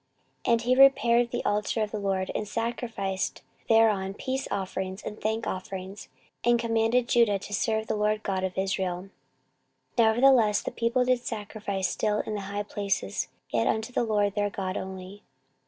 14:033:016 And he repaired the altar of the LORD, and sacrificed thereon peace offerings and thank offerings, and commanded Judah to serve the LORD God of Israel. 14:033:017 Nevertheless the people did sacrifice still in the high places, yet unto the LORD their God only.